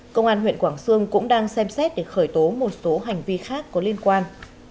công an huyện quảng sương cũng đang xem xét để khởi tố một số hành vi khác có liên quan